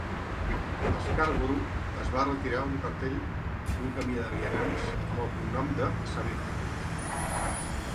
A Scarborough es va retirar un cartell d'un camí de vianants amb el cognom de Savile.